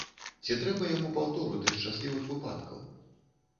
Ці трэба яму паўтору тых шчаслівых выпадкаў?